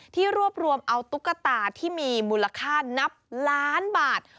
ที่รวบรวมเอาตุ๊กตาที่มีมูลค่านับล้านบาท